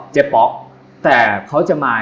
เจ็บป๊อกแต่เขาจะมา